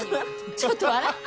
ちょっと笑った。